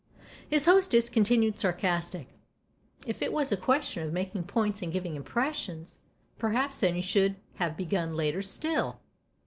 His hostess continued sarcastic. " If it was a question of making points and giving impressions, perhaps then you should have begun later still